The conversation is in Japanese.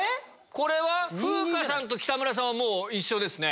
これは風花さんと北村さんは一緒ですね。